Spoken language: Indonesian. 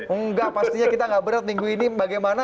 enggak pastinya kita gak berat minggu ini bagaimana